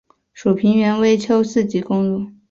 属平原微丘四级公路。